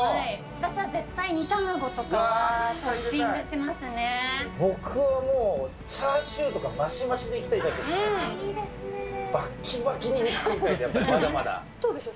私は絶対、煮卵とかはトッピ僕はもう、チャーシューとか増し増しでいきたいタイプですね。